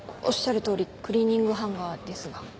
おっしゃるとおりクリーニングハンガーですが。